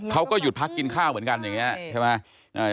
เขาก็หยุดพักกินข้าวเหมือนกันอย่างนี้ใช่ไหม